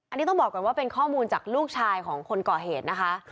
อันนี้ต้องบอกก่อนว่าเป็นข้อมูลจากลูกชายของคนก่อเหตุนะคะ